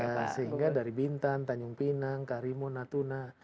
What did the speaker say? ya sehingga dari bintan tanjung pinang karimun natuna